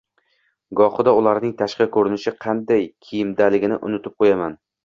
gohida ularning tashqi koʻrinishi, qanday kiyimdaligini unutib qoʻyaman.